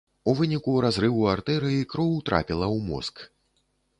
У выніку разрыву артэрыі кроў трапіла ў мозг.